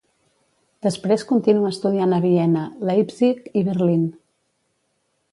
Després continua estudiant a Viena, Leipzig i Berlín.